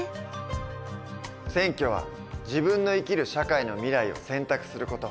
選挙は自分の生きる社会の未来を選択する事。